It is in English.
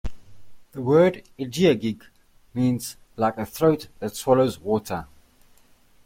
The word Igiugig means, "Like a throat that swallows water".